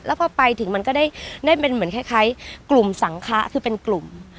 พอไปถึงมันก็ได้เป็นเหมือนคล้ายกลุ่มสังคะคือเป็นกลุ่ม